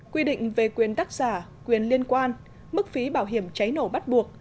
quy định về quyền tác giả quyền liên quan mức phí bảo hiểm cháy nổ bắt buộc